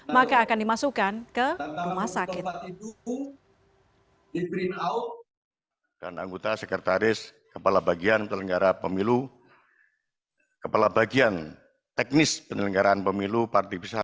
maka akan dimasukkan ke rumah sakit